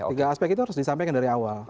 tiga aspek itu harus disampaikan dari awal